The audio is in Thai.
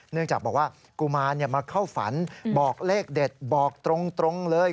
เนื่องจากบอกว่ากุมารมาเข้าฝันบอกเลขเด็ดบอกตรงเลย